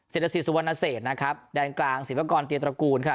รสิทธสุวรรณเศษนะครับแดนกลางศิวากรเตียตระกูลค่ะ